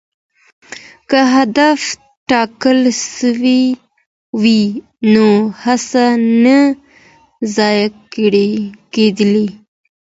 که هدف ټاکل سوی وای نو هڅه نه ضایع کېدل.